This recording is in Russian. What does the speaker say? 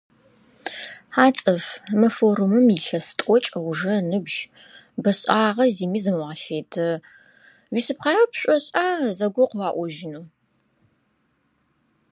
Чел, форуму уже лет двадцать. Он давно заброшен. Ты действительно думаешь, что тебе ответят?